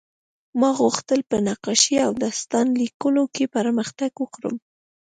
ما غوښتل په نقاشۍ او داستان لیکلو کې پرمختګ وکړم